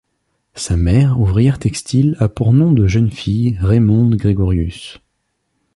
Sa mère, ouvrière textile, a pour nom de jeune fille Raymonde Grégorius.